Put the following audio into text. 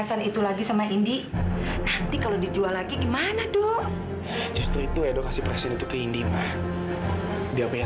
sampai jumpa di video selanjutnya